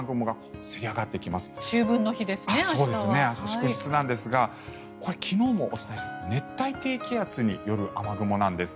祝日なんですが昨日もお伝えした熱帯低気圧による雨雲なんです。